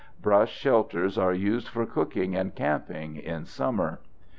Brush shelters are used for cooking and camping in summer.